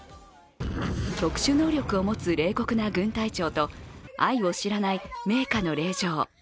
特殊能力を持つ冷酷な軍隊長と愛を知らない名家の令嬢。